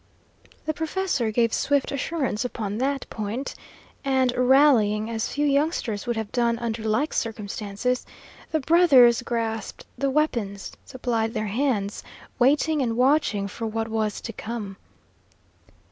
The professor gave swift assurance upon that point, and, rallying as few youngsters would have done under like circumstances, the brothers grasped the weapons supplied their hands, waiting and watching for what was to come.